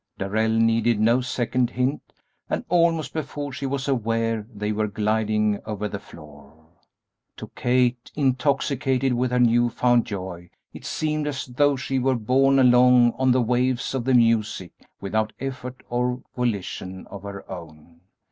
Darrell needed no second hint, and almost before she was aware they were gliding over the floor. To Kate, intoxicated with her new found joy, it seemed as though she were borne along on the waves of the music without effort or volition of her own.